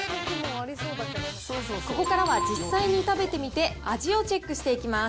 ここからは実際に食べてみて、味をチェックしていきます。